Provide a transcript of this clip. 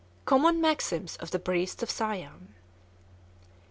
] COMMON MAXIMS OF THE PRIESTS OF SIAM.